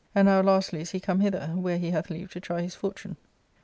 And now lastly is he come hither, where he hath leave to try his fortune."